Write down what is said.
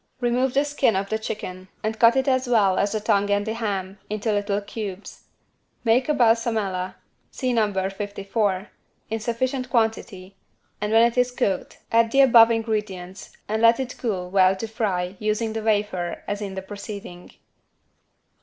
Remove the skin of the chicken and cut it as well as the tongue and the ham, into little cubes. Make a =Balsamella= (see No. 54) in sufficient quantity and when it is cooked add the above ingredients and let it cool well to fry using the wafer as in the preceding.